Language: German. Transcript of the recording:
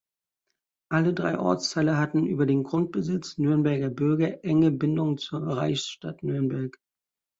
Alle drei Ortsteile hatten über den Grundbesitz Nürnberger Bürger enge Bindungen zur Reichsstadt Nürnberg.